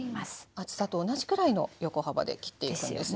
厚さと同じくらいの横幅で切っていくんですね。